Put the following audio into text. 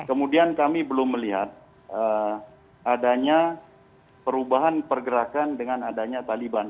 kemudian kami belum melihat adanya perubahan pergerakan dengan adanya taliban